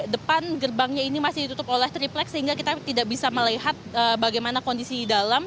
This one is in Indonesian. depan gerbangnya ini masih ditutup oleh triplek sehingga kita tidak bisa melihat bagaimana kondisi dalam